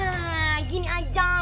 nah gini aja